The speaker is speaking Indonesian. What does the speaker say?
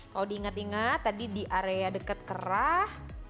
kalau diingat ingat tadi di area deket kerah